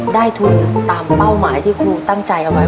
ได้ทุนตามเป้าหมายที่ครูตั้งใจเอาไว้